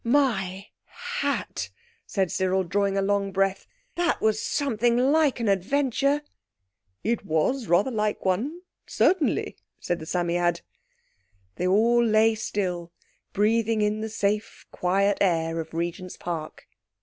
"My hat!" said Cyril, drawing a long breath; "that was something like an adventure." "It was rather like one, certainly," said the Psammead. They all lay still, breathing in the safe, quiet air of Regent's Park.